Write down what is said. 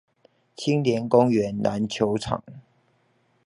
青年公園籃球場